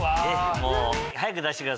もう早く出してください。